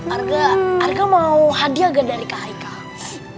arga arga mau hadiah gak dari kak haikal